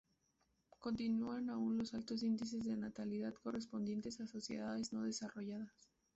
Continúan aún los altos índices de natalidad correspondientes a sociedades no desarrolladas.